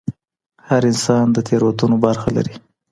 هر انسان د تیروتنو برخه لري.